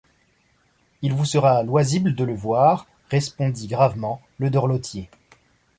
Il vous sera loysible de le veoir, respondit gravement le dorelotier.